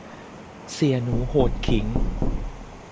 เสี่ยหนูโหดขิง